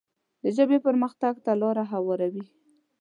د ژبې پرمختګ ته لاره هواروي.